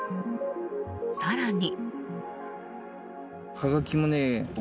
更に。